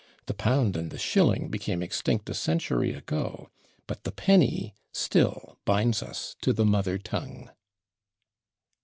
The pound and the shilling became extinct a century ago, but the penny still binds us to the mother tongue.